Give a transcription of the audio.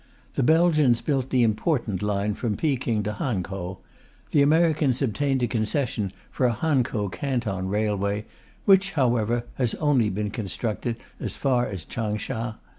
The Belgians built the important line from Peking to Hankow; the Americans obtained a concession for a Hankow Canton railway, which, however, has only been constructed as far as Changsha.